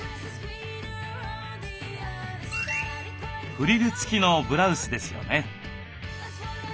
フリル付きのブラウスですよね。